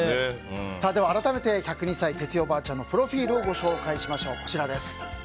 改めて１０２歳哲代おばあちゃんのプロフィールご紹介しましょう。